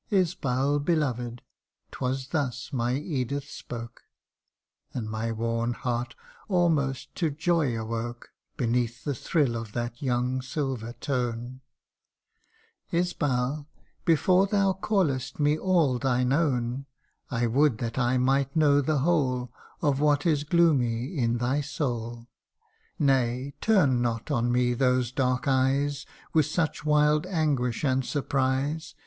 1 Isbal, beloved !' 'twas thus my Edith spoke, (And my worn heart almost to joy awoke Beneath the thrill of that young silver tone :)' Isbal, before thou calFst me all thine own, I would that I might know the whole Of what is gloomy in thy soul. 26 THE UNDYING ONE. Nay, turn not on me those dark eyes With such wild anguish and surprise.